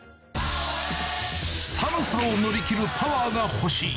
寒さを乗り切るパワーが欲しい。